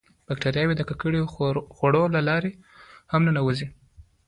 باکتریاوې د ککړو خوړو له لارې هم ننوځي.